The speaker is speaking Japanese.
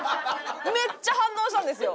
めっちゃ反応したんですよ！